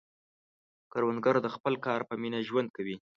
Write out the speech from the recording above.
کروندګر د خپل کار په مینه ژوند کوي